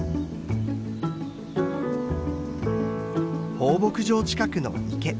放牧場近くの池。